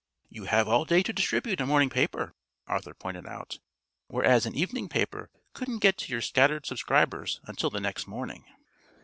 "You'll have all day to distribute a morning paper," Arthur pointed out, "whereas an evening paper couldn't get to your scattered subscribers until the next morning."